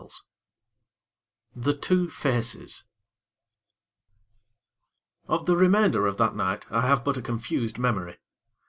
IV The Two Faces Of the remainder of that night, I have but a confused memory.